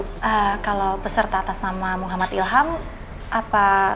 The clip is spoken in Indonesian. dan zamat perbaikanyathykan pur packages di mana